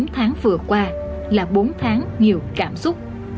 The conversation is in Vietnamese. chín tháng vừa qua là bốn tháng nhiều cảm xúc